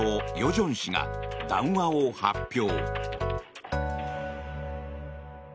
正氏が談話を発表。